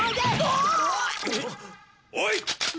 おい！